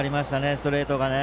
ストレートがね。